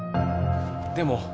でも。